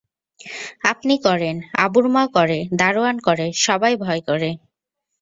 আপনি করেন, আবুর মা করে, দারোয়ান করে, সবাই ভয় করে!